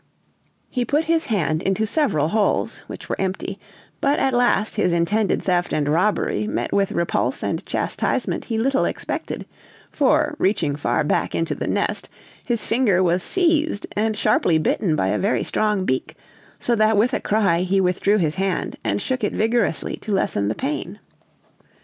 He put his hand into several holes, which were empty; but at last his intended theft and robbery met with repulse and chastisement he little expected; for, reaching far back into the nest, his finger was seized and sharply bitten by a very strong beak, so that with a cry he withdrew his hand, and shook it vigorously to lessen the pain.